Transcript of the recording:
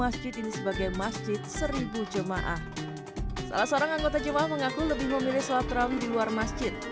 salah seorang anggota jemaah mengaku lebih memilih salat rawi di luar masjid